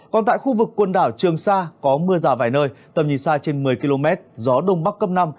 còn tại khu vực quần đảo trường sa có mưa rào vài nơi tầm nhìn xa trên một mươi km gió đông bắc cấp năm